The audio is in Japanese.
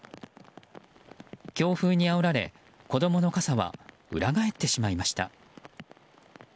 強風にあおられ、子供の傘は裏返ってしまいました。